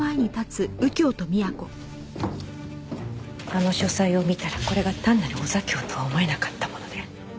あの書斎を見たらこれが単なるお座興とは思えなかったもので。